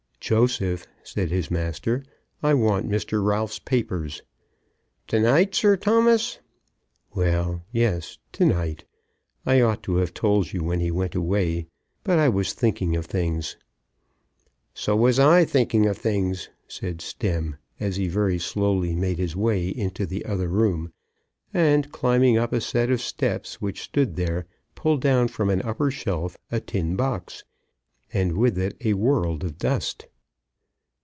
"Joseph," said his master, "I want Mr. Ralph's papers." "To night, Sir Thomas?" "Well; yes, to night. I ought to have told you when he went away, but I was thinking of things." "So I was thinking of things," said Stemm, as he very slowly made his way into the other room, and, climbing up a set of steps which stood there, pulled down from an upper shelf a tin box, and with it a world of dust.